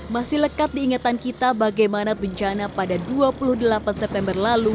masih lekat diingetan kita bagaimana bencana pada dua puluh delapan september lalu